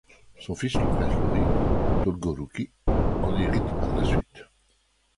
Son fils, le prince Iouri Dolgorouki, en hérite par la suite.